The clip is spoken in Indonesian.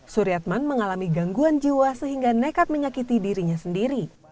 suryatman mengalami gangguan jiwa sehingga nekat menyakiti dirinya sendiri